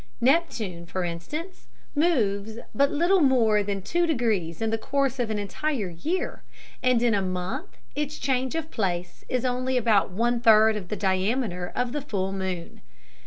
Neptune, for instance, moves but little more than two degrees in the course of an entire year, and in a month its change of place is only about one third of the diameter of the full moon.